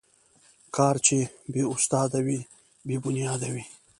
کار چې بې استاد وي، بې بنیاد وي.